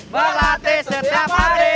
berlatih setiap hari